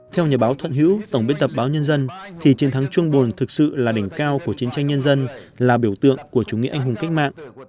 theo nhà báo thuận hữu tổng biên tập báo nhân dân thì chiến thắng chuông bồn thực sự là đỉnh cao của chiến tranh nhân dân là biểu tượng của chủ nghĩa anh hùng cách mạng